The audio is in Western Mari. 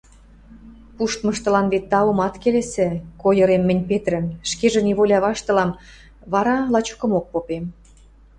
— Пуштмыштылан вет таум ат келесӹ, — койырем мӹнь Петрӹм, ӹшкежӹ неволя ваштылам, вара лачокымок попем: